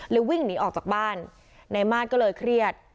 เลยวิ่งหนีออกจากบ้านในมาตรก็เลยเครียด